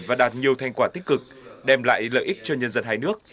và đạt nhiều thành quả tích cực đem lại lợi ích cho nhân dân hai nước